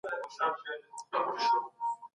کتابونه بايد په ازاده توګه چاپ او خپاره سي.